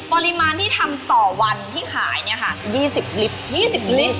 ปริมาณที่ทำต่อวันที่ขายเนี่ยคะ